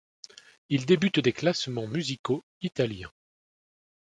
Il débute des classements musicaux italiens.